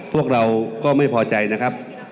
พวกเราก็ไม่พอใจนะครับ